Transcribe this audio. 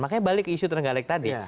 makanya balik isu terenggalek tadi